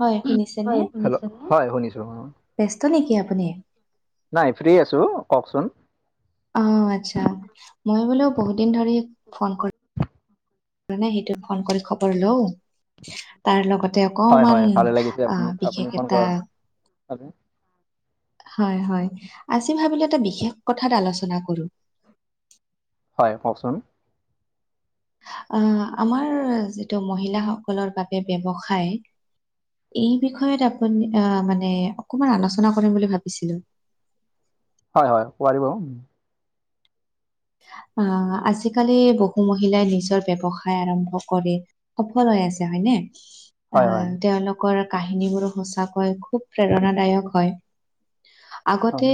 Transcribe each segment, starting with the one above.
হয় শুনিছেনে hello hello হয় শুনিছো। ব্যস্ত নেকি আপুনি। নাই ফ্ৰী আছো কওকচোন। অ আচ্ছা মই বোলো বহুত দিন ধৰি ফোন কৰি। নে সেইটো ফোন কৰি খবৰ লও। তাৰ লগতে হয় হয় অকমান ভালে লাগিছে অ আপুনি আপুনি বিশেষ ফোন এটা। কৰাৰ [inaudible] হয় হয় আজি ভাবিলো এটা বিশেষ কথাত আলোচনা কৰোঁ। হয় কওকচোন। অ আমাৰ যিটো মহিলাসকলৰ বাবে ব্যৱসায় এই বিষয়ত আপুনি অ মানে অকমান আলোচনা কৰিম বুলি ভাবিছিলো। হয় হয় পাৰিব। আহ আজিকালি বহু মহিলাই নিজৰ ব্যৱসায় আৰম্ভ কৰে। সফল হৈ আছে হয়নে হয় আহ হয় তেওঁলোকৰ কাহিনীবোৰো সঁচাকৈ। খুব প্ৰেৰণাদায়ক হয়, হয় আগতে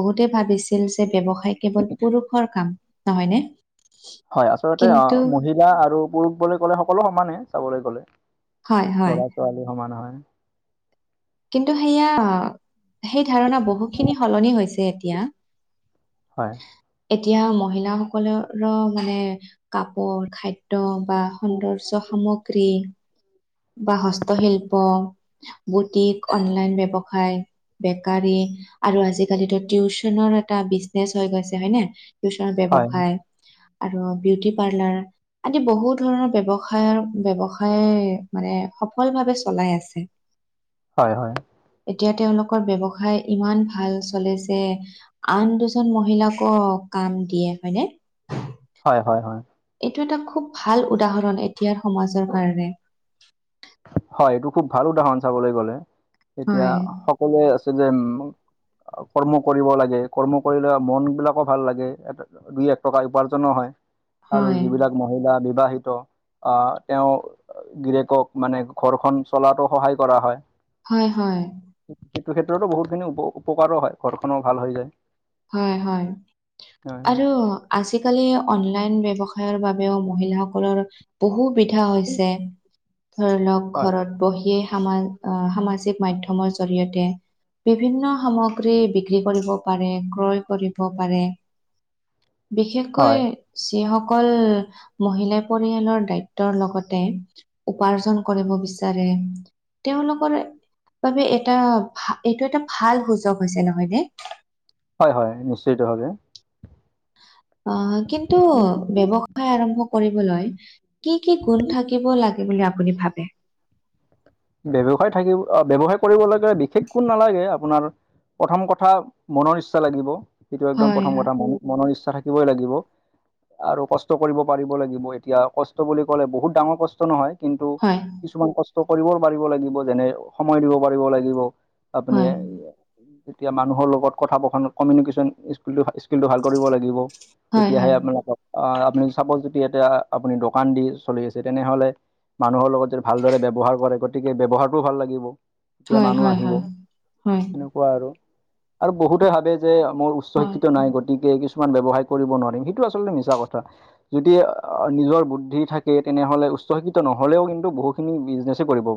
বহুতে ভাবিছিল যে ব্যৱসায়। হয় কেৱল পুৰুষৰ কাম নহয় নে। হয় আচলতে অ মহিলা আৰু পুৰুষ বুলি ক'লে সকলো সমানে চাবলৈ গলে হয় হয়। ল'ৰা ছোৱালী সমান হয়। কিন্তু সেইয়া সেই ধাৰণা বহুখিনি সলনি হৈছে এতিয়া। হয়। এতিয়া মহিলাসকলৰ মানে কাপোৰ, খাদ্য বা সৌন্দৰ্য্য সামগ্ৰী বা হস্তশিল্প, বুটিক, অনলাইন ব্যৱসায় বেকাৰী আৰু আজিকালিতো টিউচনৰ এটা বিজনেচ হৈ গৈছে হয়নে? টিউচনৰ হয় ব্যৱসায় আৰু বিউটি পাৰ্লাৰ আদি বহু ধৰণৰ ব্যৱসায়ৰ ব্যৱসায়ে মানে সফল ভাৱে চলাই আছে। হয়, হয়। এতিয়া তেওঁলোকৰ ব্যৱসায় ইমান ভাল চলে যে আন দুজন মহিলাকো কাম দিয়ে হয়নে? হয়, হয়, হয়। এইটো এটা খুব ভাল উদাহৰণ এতিয়াৰ সমাজৰ কাৰণে। হয়, এইটো খুব ভাল উদাহৰণ চাবলৈ গ'লে, এতিয়া হয় সকলোৱে আছে যে উম অ', কৰ্ম কৰিব লাগে কৰ্ম কৰিলে মনবিলাকো ভাল লাগে। ইয়াত দুই এক টকা উপাৰ্জনো হয়। আৰু হয়। যিবিলাক মহিলা বিবাহিত, আহ তেওঁ গিৰিয়েকক মানে ঘৰখন চলাতো সহায় কৰা হয়। হয়, হয়। সেইটো ক্ষেত্ৰতো বহুতখিনি উপ-উপকাৰো হয় ঘৰখনো ভাল হৈ যায়। হয়, হয়, হয় আৰু আজিকালি অনলাইন ব্যৱসায়ৰ বাবেও মহিলাসকলৰ বহু সুবিধা হৈছে ধৰি লওঁক হয় ঘৰত বহিয়ে সমাজ আহ সামাজিক মাধ্যমৰ জৰিয়তে বিভিন্ন সামগ্ৰী বিক্ৰী কৰিব পাৰে। ক্ৰয় কৰিব পাৰে হয় বিশেষকৈ যিসকল মহিলাই পৰিয়ালৰ দ্বায়িত্বৰ লগতে উপাৰ্জন কৰিব বিচাৰে। তেওঁলোকৰ বাবে এটা এইটো এটা ভাল সুযোগ হৈছে নহয় নে? হয়, হয় নিশ্চিতভাৱে। অ', কিন্তু ব্যৱসায় আৰম্ভ কৰিবলৈ কি কি গুণ থাকিব লাগে বুলি আপুনি ভাৱে? ব্যৱসায় থাকিব আহ ব্যৱসায় কৰিবলৈ বিশেষ গুণ নালাগে আপোনাৰ প্ৰথম কথা মনৰ ইচ্ছা লাগিব সেইটো একদম হয় প্ৰথম কথা মনৰ ইচ্ছা থাকিবই লাগিব। আৰু কষ্ট কৰিব পাৰিব লাগিব এতিয়া কষ্ট বুলি ক'লে বহুত ডাঙৰ কষ্ট নহয়। কিন্তু হয় কিছুমান কষ্ট কৰিবও পাৰিব লাগিব যেনে সময় দিব পাৰিব লাগিব। হয় আপুনিয়ে এইয়া এতিয়া মানুহৰ লগত কথা [unintelligible] কমিউনিকেশ্যন স্কিল-স্কিলটো ভাল কৰিব লাগিব। হয় তেতিয়াহে হয় হয় আপোনালোকক, আহ আপুনি চাপ'জ যদি এতিয়া আপুনি দোকান দি চলি আছে তেনেহ'লে মানুহৰ লগত যদি ভালদৰে ব্যৱহাৰ কৰে, গতিকে ব্যৱহাৰটোও ভাল লাগিব। তেতিয়া হয় মানুহ হয় আহিব। হয় হয় [unintelligible] কোৱা আৰু, আৰু বহুতে ভাবে যে মোৰ উচ্চ শিক্ষিত নাই গতিকে কিছু মান ব্যৱসায় কৰিব নোৱাৰিম। সেইটো আচলতে মিছা কথা। যদি আ নিজৰ বুদ্ধি থাকে, তেনেহ'লে উচ্চ শিক্ষিত নহ'লেও কিন্তু বহুখিনি বিজনেজে কৰিব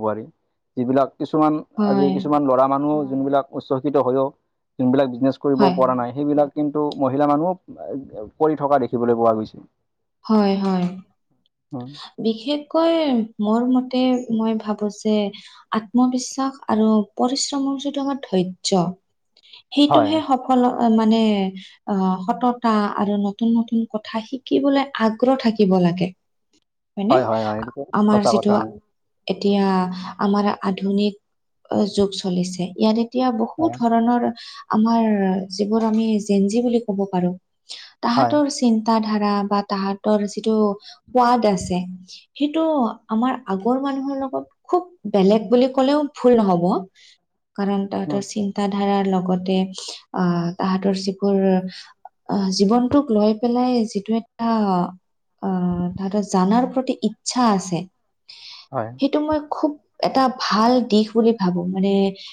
যিবিলাক কিছুমান আজি হয়, কিছুমান ল'ৰা মানুহ যোনবিলাক উচ্ছকিত হৈও যোনবিলাক বিজনেছ কৰিব হয়, পৰা নাই সেইবিলাক। কিন্তু, মহিলা মানুহকো কৰি থকা দেখিবলৈ পোৱা গৈছিল। হয়, হয়। উম, বিশেষকৈ, মোৰ মতে মই ভাবো যে আত্মবিশ্বাস আৰু পৰিশ্ৰমৰ যিটো আমাৰ ধৰ্য্য, হয়, সেইটোহে স সকলৰ মানে আহ সততা আৰু নতুন নতুন কথা শিকিবলৈ আগ্ৰহ থাকিব লাগে। হয়নে? হয়, হয়, হয় আ এইটো আমাৰ সঁচা কথা যিটো এতিয়া আমাৰ আধুনিক যুগ চলিছে। ইয়াৰে এতিয়া হয়, বহুত ধৰণৰ আমাৰ যিবোৰ আমি জেঞ্জি বুলি কব পাৰো। হয়। তাহাঁতৰ চিন্তাধাৰা বা তাহাঁতৰ যিটো সোৱাদ আছে। সেইটো আমাৰ আগৰ মানুহৰ লগত খুব বেলেগ বুলি ক'লেও ভুল নহ'ব। কাৰণ হয়, তাহাঁতৰ চিন তাধাৰাৰ লগতে, আহ তাহাঁতৰ যিবোৰ আহ, জীৱনটোক লৈ পেলাই যিটো এটা আহ তাহাঁতৰ জানাৰ প্ৰতি ইচ্ছা আছে। হয়! সেইটো মই খুব এটা ভাল দিশ বুলি ভাবোঁ। মানে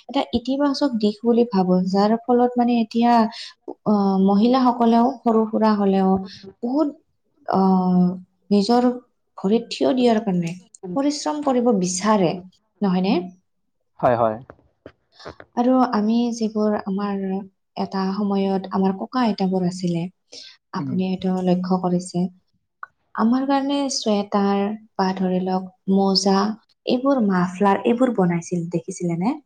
এটা ইতিবাচক দিশ বুলি ভাবো। যাৰ ফলত মানে এতিয়া অ, মহিলাসকলেও সৰু-সুৰা হ'লেও বহুত অ‌ নিজৰ ভৰিত থিয় দিয়াৰ কাৰণে, পৰিশ্ৰম কৰিব বিচাৰে, নহয়নে? হয়, হয়। আৰু আমি যিবোৰ আমাৰ এটা সময়ত আমাৰ ককা আইতাবোৰ আছিলে উম, আপুনি সেটো লক্ষ্য কৰিছে। আমাৰ কাৰণে চুৱেটাৰ বা ধৰি লওঁক মুজা এইবোৰ মাফলাৰ এইবোৰ বনাইছিল দেখিছিলে নে?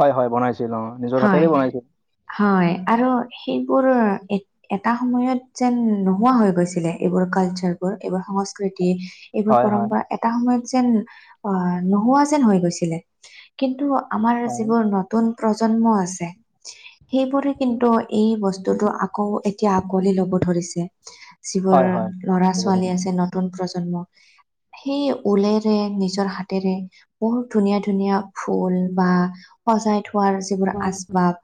হয় হয় বনাইছিল অ নিজৰ হয় হাতেৰে বনাইছিল। হয় আৰু সেইবোৰ এটা সময়ত যেন নোহোৱা হৈ গৈছিলে এইবোৰ কালচাৰ। এইবাৰ সংস্কৃতি এইবোৰ হয়, হয়, পৰম্পৰা। এটা সময়ত যেন অ নোহোৱা যেন হৈ গৈছিলে। কিন্তু আমাৰ হয়। যিবোৰ নতুন প্ৰজন্ম আছে সেইবোৰে কিন্তু এই বস্তুতটো আকৌ এতিয়া আকোৱালি ল'ব ধৰিছে। যিবোৰ হয় হয় ল'ৰা ছোৱালী আছে নতুন প্ৰজন্ম সেই ঊলেৰে নিজৰ হাতেৰে বহুত ধুনীয়া ধুনীয়া ফুল বা সজাই থোৱাৰ যিবোৰ আচবাব,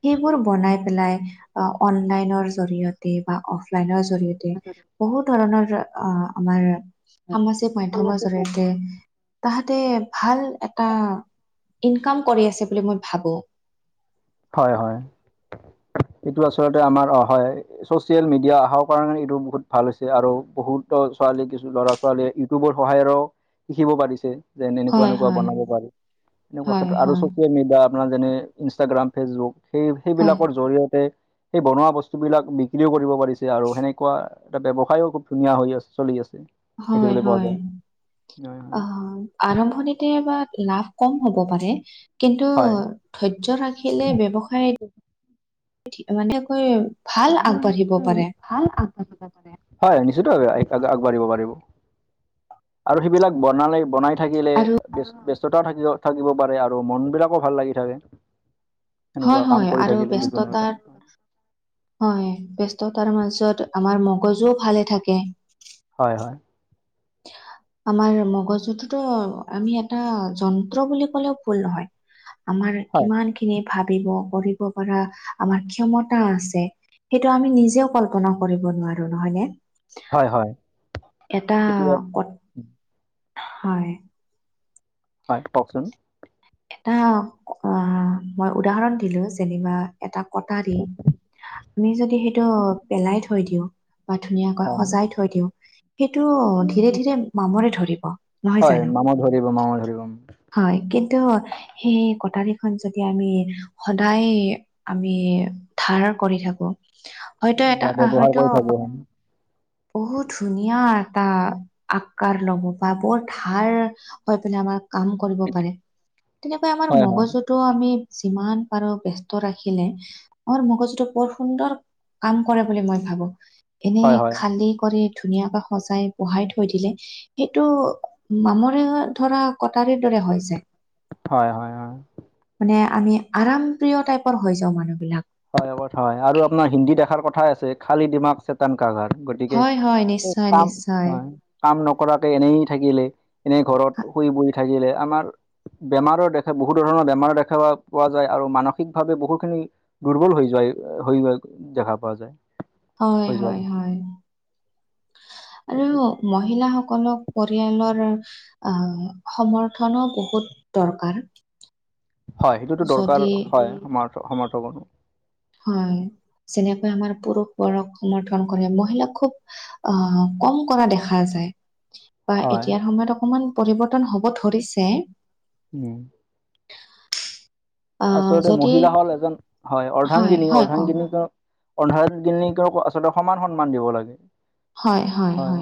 সেইবোৰ বনাই পেলাই অ অনলাইনৰ জৰিয়তে বা অফলাইনৰ জৰিয়তে বহু ধৰণৰ আহ আমাৰ সামাজিক মাধ্যমৰ জৰিয়তে তাহাঁতে ভাল এটা ইনকাম কৰি আছে বুলি মই ভাবোঁ। হয় হয় এইটো আচলতে আমাৰ অ হয়। চচিয়েল মিডিয়া অহাৰ কাৰণে এইটো বহুত ভাল হৈছে আৰু বহুতো ছোৱালী কিছু ল'ৰা ছোৱালীয়ে ইউটিউবৰ সহায়েও শিকিব পাৰিছে। যেনে এনেকুৱা হয় এনেকুৱা হয় বনাব পাৰি এনেকুৱা হয় ক্ষেত্ৰত আৰু হয় চচিয়েল মিডিয়া আপোনাৰ যেনে ইনষ্টাগ্ৰাম ফেচবুক সেই হয় সেইবিলাকৰ জৰিয়তে সেই বনোৱা বস্তু বিলাক বিক্ৰীও কৰিব পাৰি। [unintelligible] আৰু সেনেকুৱা এটা ব্যৱসায়ো খুব ধুনীয়া হৈ আছে চলি আছে। [inaudible] দেখিবলৈ পোৱা হয়-হয়। যায় হয় অঁ! [unintelligible] আৰম্ভণিতে বা লাভ কম হ'ব পাৰে কিন্তু [inaudible] হয়। [unintelligible] ধৈৰ্য ৰাখিলে ব্যৱসায় মানে [unintelligible] [unintelligible] ভাল আগবাঢ়িব পাৰে। ভাল আগবাঢ়িব [unintelligible] নিশ্চয়কৈ আগবাঢ়িব পাৰিব। [inaudible] আৰু সেইবিলাক বনালে বনাই [unintelligible] থাকিলে আৰু ব্যস্ততাও থাকিব-থাকিব পাৰে আৰু মন বিলাকো ভাল লাগি থাকে। [inaudible] কাম হয়-হয় কৰি আৰু থাকিলে যিকোনো এটা ব্যস্ততাৰ [inaudible] হয়। ব্যস্ততাৰ মাজত আমাৰ মগজুও ভালে থাকে। [unintelligible] হয়-হয়। [inaudible] উহ [inaudible] আমাৰ মগজুটোতো আমি এটা যন্ত্ৰ বুলি ক'লেও ভুল নহয়। [inaudible] আমাৰ হয় কিমানখিনি ভাবিব কৰিব পৰা আমাৰ ক্ষমতা আছে [inaudible] সেইটো আমি নিজেও কল্পনা কৰিব নোৱাৰোঁ নহয় নে? [inaudible] হয়-হয়। [inaudible] এটা [inaudible] হয়। হয়, কওক চোন? [unintelligible] এটা অঁ মই উদাহৰণ দিলোঁ যেনিবা এটা কটাৰী [inaudible] আমি যদি সেইটো পেলাই থৈ দিওঁ বা ধুনীয়াকৈ হয় সজাই থৈ দিওঁ [unintelligible] সেইটো ধীৰে-ধীৰে মামৰে ধৰিব নহয় জানো? [inaudible] মামৰে ধৰিব [inaudible] হয়, কিন্তু সেই কটাৰীখন যদি আমি সদায় [inaudible] আমি ধাৰ কৰি থাকো হয়তো বা এটা ব্যৱহাৰ কৰি হয়তো থাকো [unintelligible] বহুত ধুনীয়া এটা আকাৰ ল'ব বা বৰ ধাৰ [inaudible] হৈ পিনে আমাৰ কাম কৰিব পাৰে তেনেকৈ আমাৰ হয় হয় মগজুত [inaudible] টো আমি যিমান পাৰো ব্যস্ত ৰাখিলে [unintelligible] আমাৰ মগজুটো বৰ সুন্দৰ কাম কৰে বুলি মই ভাবোঁ এনেই হয় [inaudible] হয় খালি কৰি ধুনীয়াকে সজাই বহাই থৈ দিলে [inaudible] সেইটো মামৰে ধৰা কটাৰীৰ দৰে হৈ যায়। [unintelligible] হয়-হয়-হয়। [unintelligible] মানে আমি আৰাম প্ৰিয় টাইপৰ হৈ যাওঁ মানুহবিলাক। [unintelligible] হয়। কথা হয়, আৰু আপোনাৰ হিন্দী এসাৰ কথাই আছে খালি দিমাগ [inaudible] [unintelligible] কাৰাগাৰ গতিকে হয়, হয়, নিশ্চয়, কাম নিশ্চয়। হয় [inaudible] কাম নকৰাকে এনেই থাকিলে, এনেই ঘৰত হা শুই বহি থাকিলে আমাৰ [inaudible] বেমাৰৰ দেখা বহুত ধৰণৰ বেমাৰৰ দেখা পোৱা যায় আৰু মানসিকভাৱে বহুখিনি [unintelligible] দুৰ্বল হৈ যোৱাই হৈ দেখা পোৱা যায়। [inaudible] হৈ যোৱা হয়-হয়-হয়। আৰু [unintelligible] মহিলা সকলক পৰিয়ালৰ [unintelligible] আহ সমৰ্থনো বহুত দৰকাৰ। [inaudible] হয়। সেইটোতো দৰকাৰ যদি হয় সমৰ্থ কনো [inaudible] হয়। যেনেকৈ আমাৰ পুৰুষবোৰক সমৰ্থন কৰে। মহিলাক খুব [inaudible] আহ কম কৰা দেখা যায়। [inaudible] বা হয় এতিয়াৰ সময়ত অকমান পৰিবৰ্তন হ'ব ধৰিছে [unintelligible] উম। আহ, আচলতে যদি মহিলা হল এজন হয় অৰ্ধাংগিনী- হয়, কওক অৰ্ধাংগিনী ত অৰ্ধাংগিনীকতো আচলতে সমান সন্মান দিব লাগে হয়।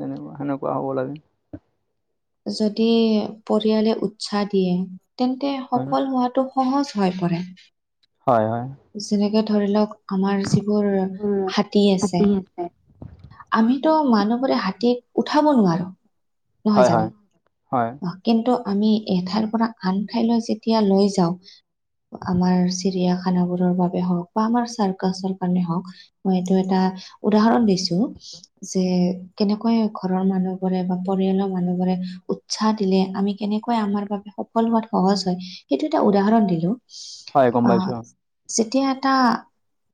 তেনেকুৱা, সেনেকুৱা হ'ব লাগে। যদি পৰিয়ালে উৎসাহ দিয়ে তেন্তে হয় সফল হোৱাটো সহজ হৈ পৰে। হয়, হয়। যেনেকে ধৰি লওক আমাৰ যিবোৰ হাতী আছে আমিত মানুহবোৰে হাতীক উঠাব নোৱাৰো। নহয় হয়, জানো হয়, হয়। কিন্তু আমি এঠাইৰ পৰা আন ঠাইলৈ যেতিয়া লৈ যাওঁ আমাৰ চিৰিয়াখানাবোৰৰ বাবে হওক বা আমাৰ চাৰ্কাছৰ কাৰণে হওক মই এইটো এটা উদাহৰণ দিছো যে কেনেকৈ ঘৰৰ মানুহবোৰে বা পৰিয়ালৰ মানুহবোৰে উৎসাহ দিলে, আমি কেনেকৈ আমাৰ বাবে সফল হোৱাত সহজ হয় সেইটো এটা উদাহৰণ দিলো। ইচ হয় গম আহ পাইছো যেতিয়া এটা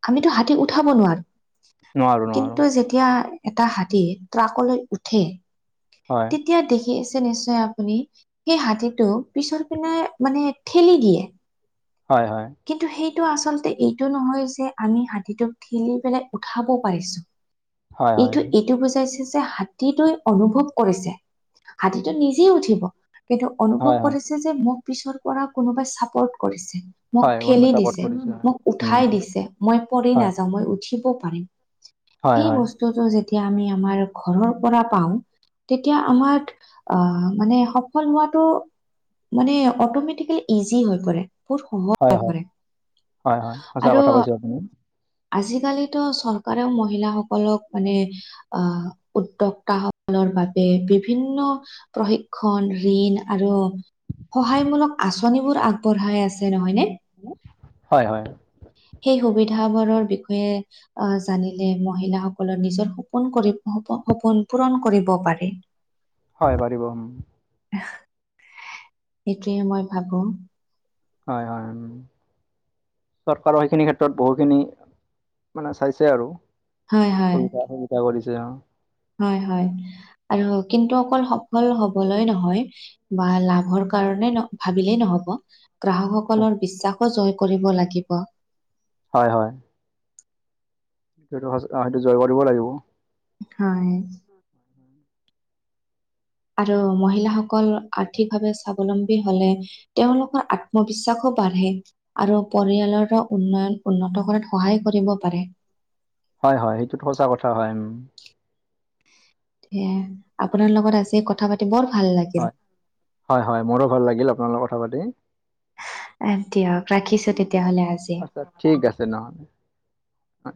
আমিতো হাতী উঠাব নোৱাৰো। নোৱাৰো নোৱাৰো কিন্তু যেতিয়া এটা হাতী ট্ৰাকলৈ উঠে হয়। তেতিয়া দেখি আছে নিশ্চয় আপুনি সেই হাতীটো পিছৰ পিনে মানে ঠেলি দিয়ে। হয়, হয়। কিন্তু সেইটো আচলতে এইটো নহয় যে আমি হাতীটোক ঠেলি পেলাই উঠাব পাৰিছো হয় এইটো হয় এইটো বুজাইছে যে হাতীটোৱে অনুভৱ কৰিছে। হাতীটো নিজেই উঠিব কিন্তু অনুভৱ হয় হয় কৰিছে ছেযে মোক পিছৰ পৰা কোনোবাই চাপৰ্ট কৰিছে। মোক হয় গম ঠেলি পাইছো চাপৰ্ট দিছে, কৰিছে হয় মোক উঠাই দিছে, মই পৰি হয় নাযাওঁ, মই উঠিব পাৰিম। হয় সেই হয় বস্তুটো যেতিয়া আমি আমাৰ ঘৰৰ পৰা পাওঁ তেতিয়া আমাৰ আঁহ মানে সফল হোৱাটো মানে অটমেটিকেলি ইজি হৈ পৰে বহুত সহজ হয় হৈ হয় পৰে হয় হয় সঁচা আৰু কথা কৈছে আপুনি আজিকালিতো চৰকাৰেও মহিলাসকলক মানে আহ উদ্যোগতা সকলৰ বাবে বিভিন্ন প্ৰশিক্ষণ, ঋণ আৰু সহায়মূলক আঁচনিবোৰ আগবঢ়াই আছে নহয় নে? হয় হয়। সেই সুবিধাবৰৰ বিষয়ে আহ জানিলে মহিলাসকলৰ নিজৰ সপোন কৰি সপ সপোন পূৰণ কৰিব পাৰে। হয় পাৰিব। আঁহ এ এইটোৱে মই ভাবো। হয় হয় উম। চৰকাৰো সেইখিনি ক্ষেত্ৰত বহুখিনি মানে চাইছে আৰু হয় হয় সুবিধা সুবিধা কৰিছে অ। হয় হয় আৰু কিন্তু অকল সফল হ'বলৈ নহয় বা লাভৰ কাৰণে ন ভাবিলেই নহ'ব গ্ৰাহকসকলৰ বিশ্বাসো জয় কৰিব লাগিব। হয় হয়। সেইটো হচ অ সেইটো জয় কৰিব লাগিব। হয়। আৰু মহিলাসকল আৰ্থিকভাৱে স্বাৱলম্বী হ'লে তেওঁলোকৰ আত্মবিশ্বাসো বাঢ়ে। আৰু পৰিয়ালৰ উন্নয়ন উন্নত কৰাত সহায় কৰিব পাৰে। হয় হয় সেইটোতো সচা কথা হয়, উম। সেয়াই আপোনাৰ লগত আজি কথা পাতি বৰ ভাল লাগ হয়। হয় হয় মোৰো ভাল লাগিল আপোনাৰ লগত কথা পাতি এহ দিয়ক ৰাখিছোঁ তেতিয়া হ'লে আজি। ত' ঠিক আছে নহ'লে অ